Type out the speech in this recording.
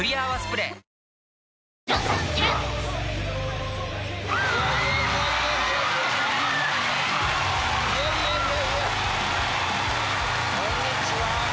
はいこんにちは。